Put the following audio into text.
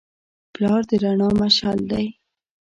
پلار د رڼا مشعل دی.